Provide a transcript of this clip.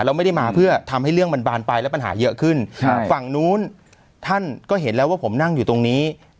เราไม่ได้มาเพื่อทำให้เรื่องบรรบาลไป